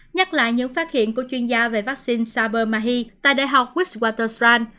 nhắc lại những phát hiện của chuyên gia về vaccine sabermahy tại đại học wittswaterstrand